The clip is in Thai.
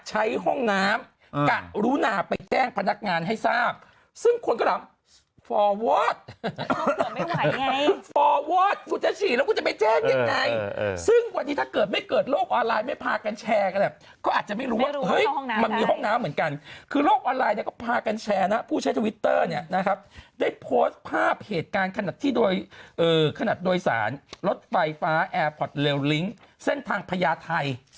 แล้วก็จะไปแจ้งยังไงซึ่งวันที่ถ้าเกิดไม่เกิดโลกออนไลน์ไม่พากันแชร์กันแหละก็อาจจะไม่รู้ว่าเฮ้ยมันมีห้องน้ำเหมือนกันคือโลกออนไลน์เนี้ยก็พากันแชร์นะผู้ใช้ทวิตเตอร์เนี้ยนะครับได้โพสต์ภาพเหตุการณ์ขนาดที่โดยเออขนาดโดยสารรถไฟฟ้าแอร์พอร์ตเลวลิงค์เส้นทางพญาไท